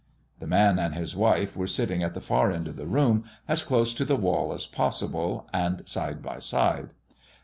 The man and his wife were sitting at the far end of the room, as close to the wall as possible, and side by side.